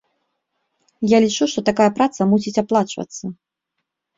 Я лічу, што такая праца мусіць аплачвацца.